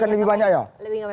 lebih banyak apa